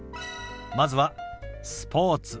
まずは「スポーツ」。